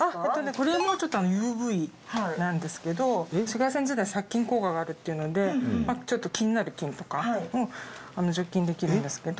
これもＵＶなんですけど紫外線自体殺菌効果があるっていうのでちょっと気になる菌とか除菌できるんですけど。